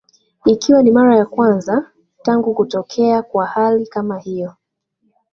ikiwa ni mara ya kwanza tangu kutokea kwa hali kama hiyo